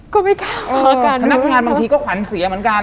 ก็ไม่กล้ากันพนักงานบางทีก็ขวัญเสียเหมือนกัน